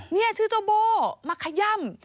นี่ชื่อเจ้าโบ้มักขย่ำ